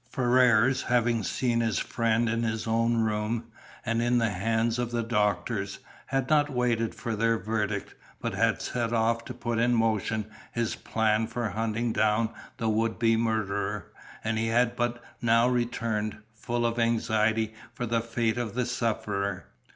Ferrars having seen his friend in his own room, and in the hands of the doctors, had not waited for their verdict, but had set off to put in motion his plan for hunting down the would be murderer, and he had but now returned, full of anxiety for the fate of the sufferer.